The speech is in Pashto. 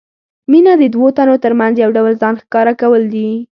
مینه د دوو تنو ترمنځ یو ډول ځان ښکاره کول دي.